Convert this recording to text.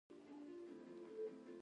تورغونډۍ بندر د ریل پټلۍ لري؟